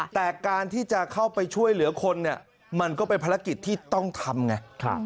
แต่การที่จะเข้าไปช่วยเหลือคนเนี่ยมันก็เป็นภารกิจที่ต้องทำไง